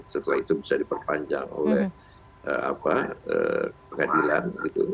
setelah itu bisa diperpanjang oleh pengadilan